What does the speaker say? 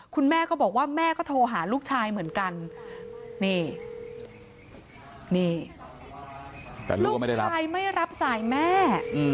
คุณแม่ก็บอกว่าแม่ก็โทรหาลูกชายเหมือนกันนี่ลูกชายไม่รับสายแม่